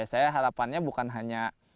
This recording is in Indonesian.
saya harapannya bukan hanya